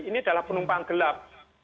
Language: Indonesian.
ini adalah penumpang gelap